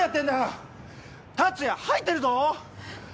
達也吐いてるぞ！